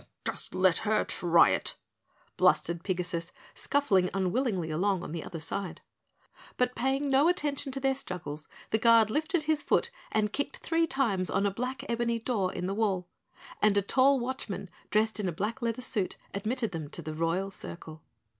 "Just let her try it!" blustered Pigasus, scuffling unwillingly along on the other side. But paying no attention to their struggles, the Guard lifted his foot and kicked three times on a black ebony door in the wall, and a tall Watchman dressed in a black leather suit admitted them to the Royal Circle.